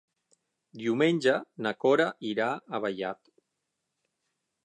Diumenge na Cora irà a Vallat.